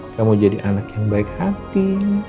kamu jadi anak yang baik hati